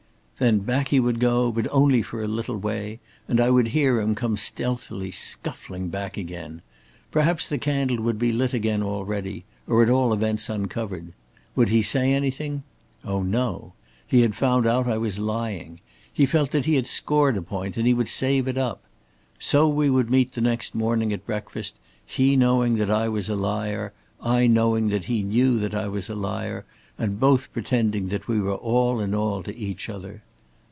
Then back he would go, but only for a little way, and I would hear him come stealthily scuffling back again. Perhaps the candle would be lit again already, or at all events uncovered. Would he say anything? Oh, no! He had found out I was lying. He felt that he had scored a point, and he would save it up. So we would meet the next morning at breakfast, he knowing that I was a liar, I knowing that he knew that I was a liar, and both pretending that we were all in all to each other.